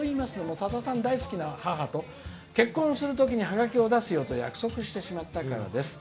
さださん大好きな母と結婚するときにハガキを出すよと約束してしまったからです。